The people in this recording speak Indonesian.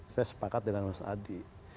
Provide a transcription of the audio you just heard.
saya sepakat dengan mas adi